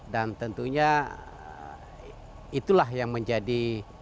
dan tentunya itulah yang menjadi